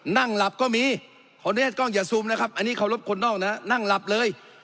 นั่งหลับก็มีขออนุญาตกล้องอย่าซูมนะครับอันนี้เคารพคนนอกนะฮะนั่งหลับเลย